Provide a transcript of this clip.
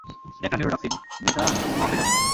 এটা একটি neurotoxin, methamphetamine.